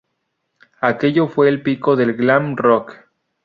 Aquello fue el pico del glam rock.